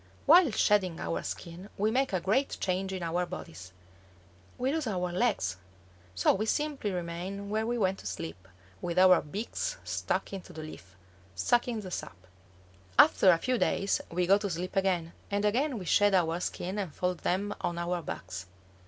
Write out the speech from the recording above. While shedding our skin we make a great change in our bodies. We lose our legs! So we simply remain where we went to sleep, with our beaks stuck into the leaf, sucking the sap. After a few days we go to sleep again, and again we shed our skins and fold them on our backs.